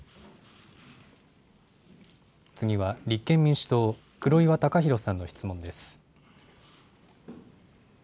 次は立憲民主党、黒岩宇洋さんの質問です。